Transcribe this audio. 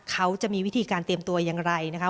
เขาจะมีวิธีการเตรียมตัวอย่างไรนะคะ